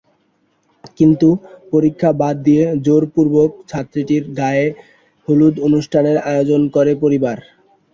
কিন্তু পরীক্ষা বাদ দিয়ে জোরপূর্বক ছাত্রীটির গায়েহলুদ অনুষ্ঠানের আয়োজন করে পরিবার।